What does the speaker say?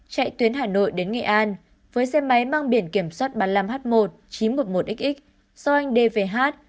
chạy tuyến hà nội đến nghệ an với xe máy mang biển kiểm soát ba mươi năm h một chín trăm một mươi một xx do anh đê về h